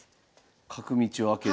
角道を開ける。